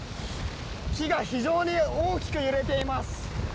木が非常に大きく揺れています。